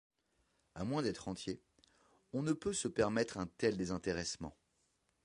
A moins d’être rentier, on ne peut se permettre un tel désintéressement.